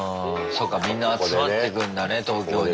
そうかみんな集まってくんだね東京に。